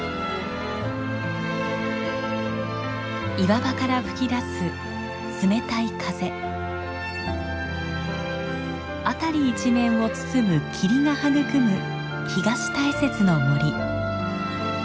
岩場から吹き出す冷たい風。辺り一面を包む霧が育む東大雪の森。